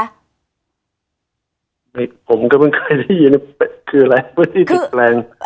ผมก็เพิ่งเคยได้ยินคืออะไรพื้นที่ติดแปลง